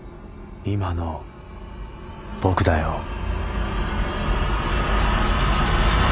今の僕だよ。